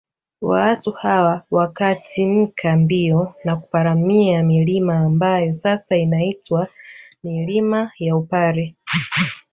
Waasu hawa wakatimka mbio na kuparamia milima ambayo sasa inaitwa milima ya Upare